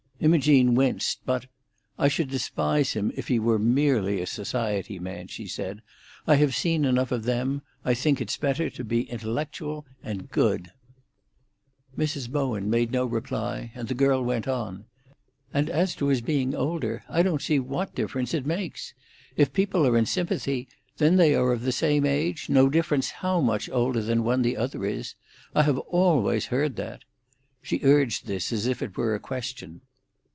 Imogene winced, but "I should despise him if he were merely a society man," she said. "I have seen enough of them. I think it's better to be intellectual and good." Mrs. Bowen made no reply, and the girl went on. "And as to his being older, I don't see what difference it makes. If people are in sympathy, then they are of the same age, no difference how much older than one the other is. I have always heard that." She urged this as if it were a question.